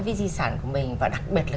với di sản của mình và đặc biệt là